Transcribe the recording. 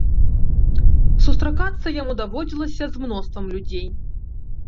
Сустракацца яму даводзілася з мноствам людзей.